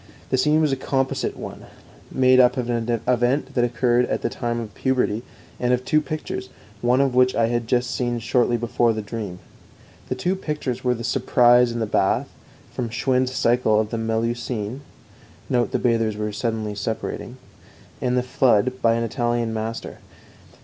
The scene was a composite one, made up out of an event that occurred at the time of puberty, and of two pictures, one of which I had seen just shortly before the dream. The two pictures were The Surprise in the Bath, from Schwind's Cycle of the Melusine (note the bathers suddenly separating), and The Flood, by an Italian master.